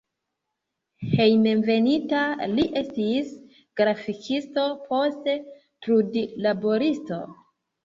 Hejmenveninta li estis grafikisto, poste trudlaboristo.